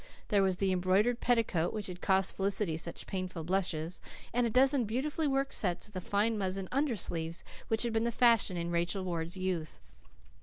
There was the embroidered petticoat which had cost Felicity such painful blushes, and a dozen beautifully worked sets of the fine muslin "undersleeves" which had been the fashion in Rachel Ward's youth.